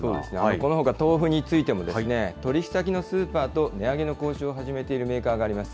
このほか、豆腐についても取り引き先のスーパーと、値上げの交渉を始めているメーカーがあります。